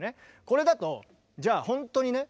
これだとじゃあ本当にね